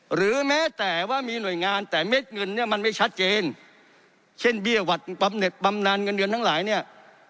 หรือแม้แต่ว่ามีหน่วยงานแต่เม็ดเงินเนี่ยมันไม่ชัดเจนเช่นเบี้ยหวัดบำเน็ตบำนานเงินเดือนทั้งหลายเนี่ย